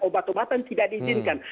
obat obatan tidak diizinkan